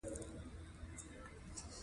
• مینه د زړۀ ستوری دی.